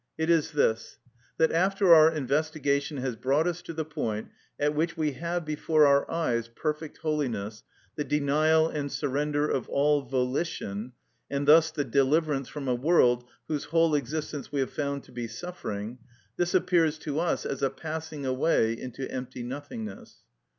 It is this, that after our investigation has brought us to the point at which we have before our eyes perfect holiness, the denial and surrender of all volition, and thus the deliverance from a world whose whole existence we have found to be suffering, this appears to us as a passing away into empty nothingness.